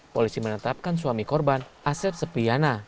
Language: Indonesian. polisi menetapkan suami korban asep sepiana